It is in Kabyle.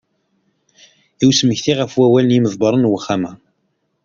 I usmekti, ɣef wawal n yimḍebbren n Uxxam-a.